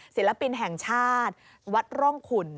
ศิลปินแห่งชาติวัดร่องขุน